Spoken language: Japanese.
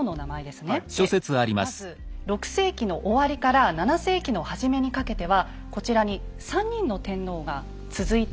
でまず６世紀の終わりから７世紀の初めにかけてはこちらに３人の天皇が続いています。